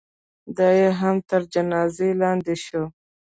دا یې هم تر جنازې لاندې شوه.